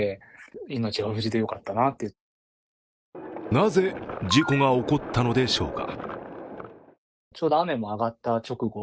なぜ事故が起こったのでしょうか。